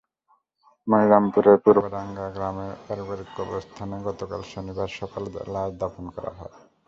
মনিরামপুরের দূর্বাডাঙ্গা গ্রামে পারিবারিক কবরস্থানে গতকাল শনিবার সকালে লাশ দাফন করা হয়।